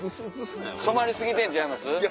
染まり過ぎてんちゃいます？